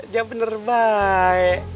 ya bener baik